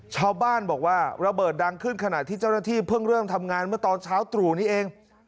ชาวบ้านบอกว่าระเบิดดังขึ้นขณะที่เจ้าหน้าที่เพิ่งเริ่มทำงานเมื่อตอนเช้าตรู่นี้เอง